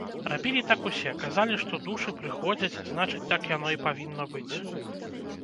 Рабілі так усе, казалі, што душы прыходзяць, значыць, так яно і павінна быць.